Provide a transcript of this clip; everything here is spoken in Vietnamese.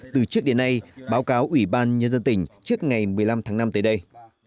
từ trước đến nay báo cáo ủy ban nhân dân tỉnh trước ngày một mươi năm tháng năm tới đây